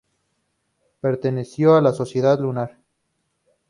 Perteneció a la Sociedad Lunar.